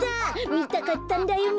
みたかったんだよね。